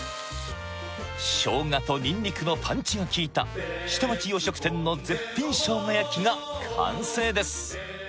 しょうがとニンニクのパンチが効いた下町洋食店の絶品しょうが焼きが完成です